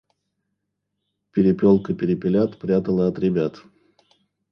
Перепелка перепелят прятала от ребят.